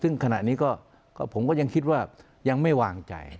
ซึ่งขณะนี้ก็ผมก็ยังคิดว่ายังไม่วางใจ